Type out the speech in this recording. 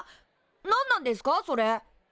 何なんですかそれ？